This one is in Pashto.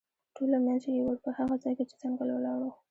ټول له منځه یووړ، په هغه ځای کې چې ځنګل ولاړ و.